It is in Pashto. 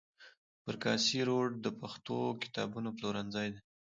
پر کاسي روډ د پښتو کتابونو پلورنځي دي.